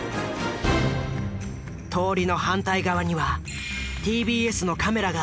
通りの反対側にはＴＢＳのカメラがある。